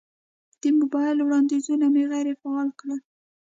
د موبایل وړاندیزونه مې غیر فعال کړل.